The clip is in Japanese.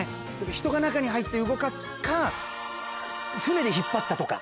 人が中に入って動かすか、船で引っ張ったとか。